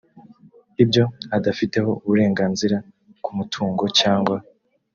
ibyo adafiteho uburenganzira ku mutungo cyangwa